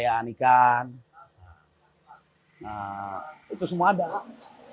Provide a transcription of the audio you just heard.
yang mencari jenis imagineer cupang atau shuaq